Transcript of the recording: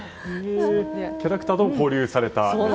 キャラクターとも交流されたんですか。